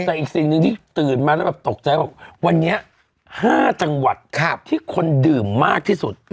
แต่อีกสิ่งหนึ่งที่ตื่นมาแล้วแบบตกใจว่าวันนี้๕จังหวัดที่คนดื่มมากที่สุด